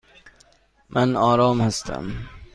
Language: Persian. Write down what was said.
من آرام هستم.